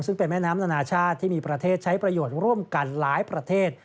ซึ่งเป็นแม่น้ำนานาชาติที่มีประเทศใช้ประโยชน์ร่วมกันหลายประเทศ